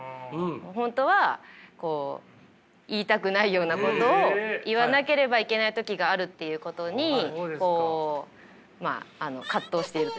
本当は言いたくないようなことを言わなければいけない時があるっていうことに葛藤しているというか。